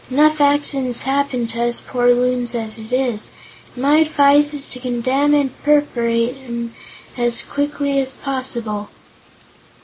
Enough accidents happen to us poor Loons as it is, and my advice is to condemn and perforate 'em as quickly as possible."